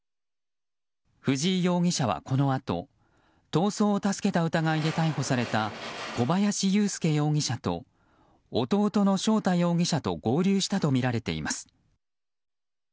藤井容疑者は、このあと逃走を助けた疑いで逮捕された小林優介容疑者と弟の翔太容疑者と合流したとみられています。